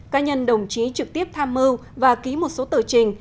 cá nhân đồng chí trực tiếp tham mưu và ký một số tờ trình